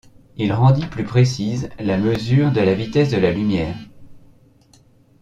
Il rendit plus précise la mesure de la vitesse de la lumière.